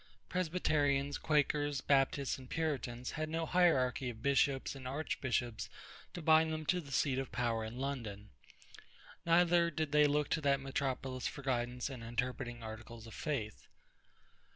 Presbyterians, Quakers, Baptists, and Puritans had no hierarchy of bishops and archbishops to bind them to the seat of power in London. Neither did they look to that metropolis for guidance in interpreting articles of faith.